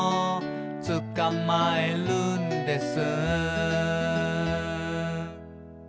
「つかまえるんです」